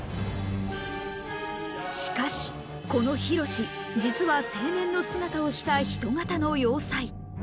しかしこのヒロシ実は青年の姿をした人型の要塞。